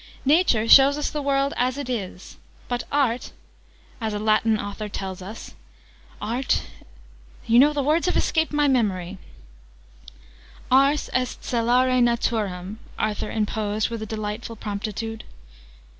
Nature shows us the world as it is. But Art as a Latin author tells us Art, you know the words have escaped my memory " "Ars est celare Naturam," Arthur interposed with a delightful promptitude.